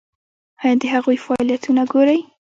ایا د هغوی فعالیتونه ګورئ؟